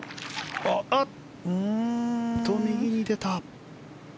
右に出た。